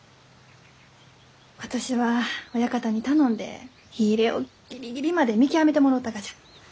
今年は親方に頼んで火入れをギリギリまで見極めてもろうたがじゃ。